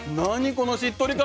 このしっとり感。